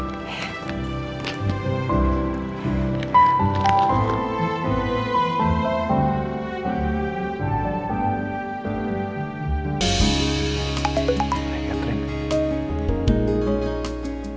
nah ingat kan